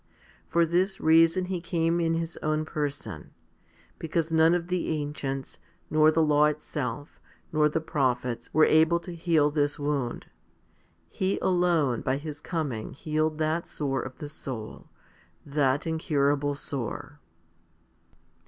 For this reason He came in His own person; because none of the ancients, nor the law itself, nor the prophets, were able to heal this wound. He alone by His coming healed that sore of the soul, that incurable sore.